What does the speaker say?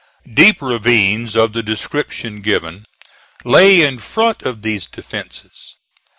Deep ravines of the description given lay in front of these defences.